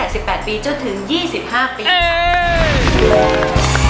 ตั้งแต่๑๘ปีจนถึง๒๕ปี